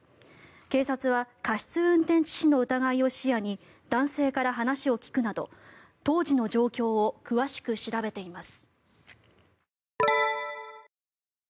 警察は過失運転致死の疑いを視野に男性から話を聞くなど当時の状況を詳しく調べています。